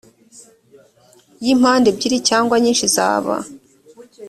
y impande ebyiri cyangwa nyinshi zaba